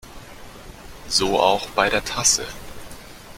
So auch bei der Tasse.